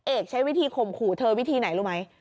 เอกใช้วิธีข่มขู่เธอวิธีไหนรู้ไหม